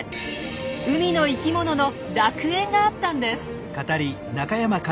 海の生きものの楽園があったんです。